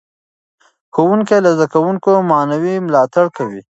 ښوونکي له زده کوونکو معنوي ملاتړ کوي.